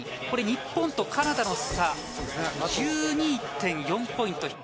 これ、日本とカナダの差１２．４ポイント。